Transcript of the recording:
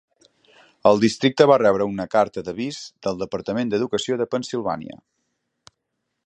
El districte va rebre una carta d'"Avís" del Departament d'Educació de Pennsilvània.